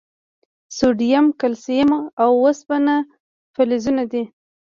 سوډیم، کلسیم، او اوسپنه فلزونه دي.